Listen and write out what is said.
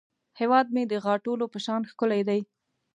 هیواد مې د غاټولو په شان ښکلی دی